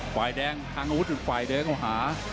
ฝ่ายแดงทางอาวุธอีกฝ่ายเดินเข้าหา